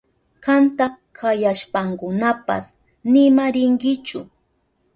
Kanta kayashpankunapas nima rinkichu.